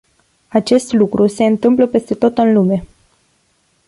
Acest lucru se întâmplă peste tot în lume.